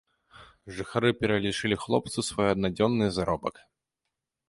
Жыхары пералічылі хлопцу свой аднадзённы заробак.